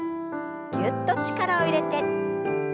ぎゅっと力を入れて。